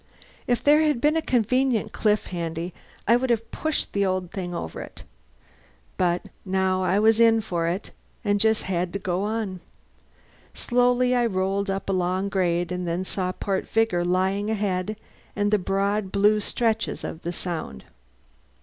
If there had been a convenient cliff handy I would have pushed the old thing over it. But now I was in for it, and just had to go on. Slowly I rolled up a long grade, and then saw Port Vigor lying ahead and the broad blue stretches of the Sound.